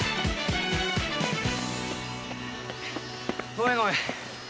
ごめんごめん。